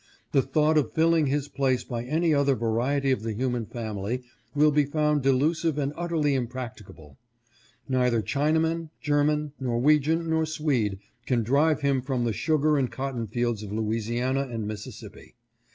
The thought of filling his place by any other variety of the human family, will be found delusive and utterly im practicable. Neither Chinaman, German, Norwegian, nor Swede can drive him from the sugar and cotton fields of Louisiana and Missis sippi.